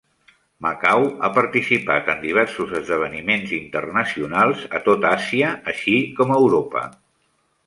Macau ha participat en diversos esdeveniments internacionals a tot Àsia així com a Europa.